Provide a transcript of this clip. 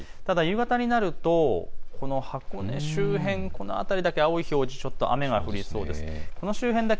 ただ夕方になると、箱根周辺はこの辺りだけ青い表示、雨が降りそうです。